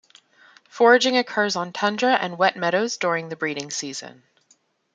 Foraging occurs on tundra and wet meadows during the breeding season.